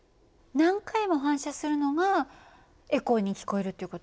何回も反射するのがエコーに聞こえるっていう事？